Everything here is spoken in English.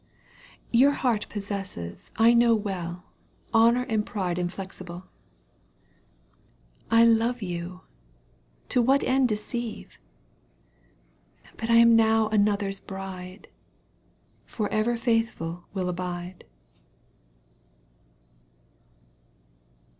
Your heart possesses, I know well, Honour and pride inflexible. I love you — ^to what end deceive ?— I But I am now another's bride — For ever faithful will abide."